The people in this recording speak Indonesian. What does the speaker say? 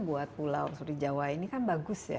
buat pulau surijawa ini kan bagus ya